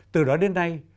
từ đó đến nay